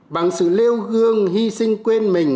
bằng sự lêu gương hy sinh quên mình